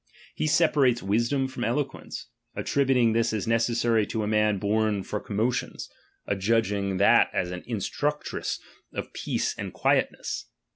He separates wisdom from elo fjue^iice ; attributing this as necessary to a man oorn for commotions ; adjudging that as an in structress of peace and quietness.